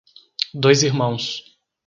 Dois Irmãos